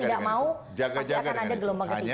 tidak mau pasti akan ada gelombang ketiga